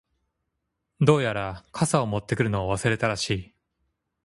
•どうやら、傘を持ってくるのを忘れたらしい。